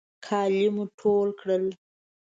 کالي مو ټول کړل.